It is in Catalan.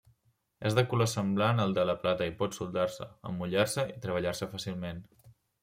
És de color semblant al de la plata i pot soldar-se, emmotllar-se i treballar-se fàcilment.